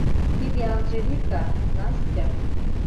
Тиде Анжелика, Настя.